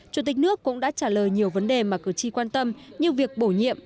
chủ tịch nước cũng đã trả lời nhiều vấn đề mà cử tri quan tâm như việc bổ nhiệm